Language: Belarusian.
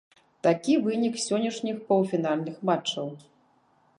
Такі вынік сённяшніх паўфінальных матчаў.